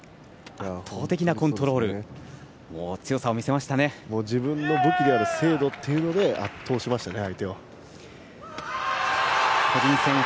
圧倒的なコントロールで自分の武器である精度というので圧倒しましたね、相手を。